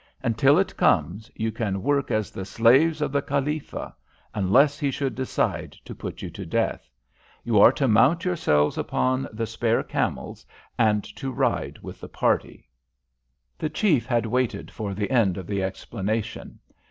Until it comes you can work as the slaves of the Khalifa; unless he should decide to put you to death. You are to mount yourselves upon the spare camels and to ride with the party." The chief had waited for the end of the explanation.